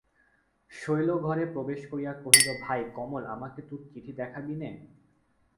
শৈল ঘরে প্রবেশ করিয়া কহিল, ভাই কমল, আমাকে তোর চিঠি দেখাবি নে?